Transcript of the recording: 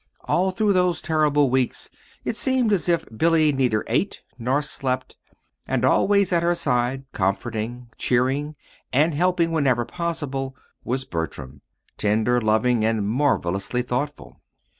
All through those terrible weeks it seemed as if Billy neither ate nor slept; and always at her side, comforting, cheering, and helping wherever possible was Bertram, tender, loving, and marvelously thoughtful.